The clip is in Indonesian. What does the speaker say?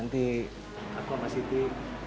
nanti aku sama siti